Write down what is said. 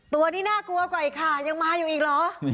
ตัวนี้น่ากลัวกว่าอีกค่ะยังมาอยู่อีกเหรอ